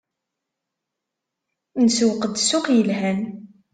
Nsewweq-d ssuq yelhan.